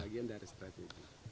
bagian dari strategi